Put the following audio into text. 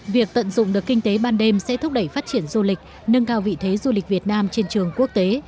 việc tận dụng được kinh tế ban đêm sẽ thúc đẩy phát triển du lịch nâng cao vị thế du lịch việt nam trên trường quốc tế